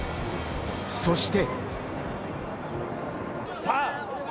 そして。